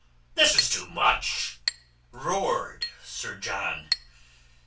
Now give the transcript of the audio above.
"This is too much!" roared Sir John.